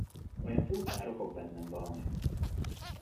Olyan furcsán ropog bennem valami!